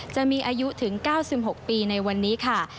จะมีอายุถึง๙๖ปีในวันนี้ค่ะ